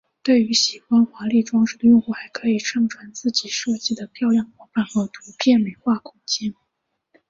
对于喜欢华丽装饰的用户还可以上传自己设计的漂亮模板和图片美化空间。